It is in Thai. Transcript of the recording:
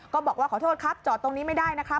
ก็บอกว่าขอโทษครับจอดตรงนี้ไม่ได้นะครับ